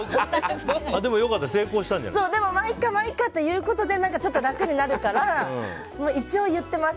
まあいっか、まあいっかって言うことでちょっと楽になるから一応言ってます。